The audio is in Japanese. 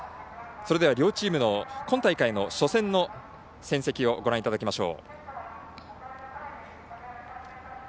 それでは両チームの今大会の初戦の戦績をご覧いただきましょう。